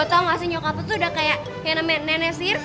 tau gak sih nyokap tuh udah kayak yang namanya nenek sir